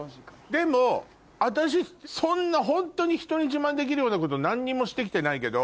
でも私そんなホントに人に自慢できるようなこと何にもして来てないけど。